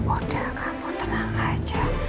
udah kamu tenang aja